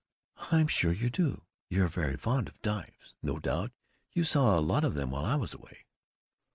"I'm sure you do! You're very fond of dives. No doubt you saw a lot of them while I was away!"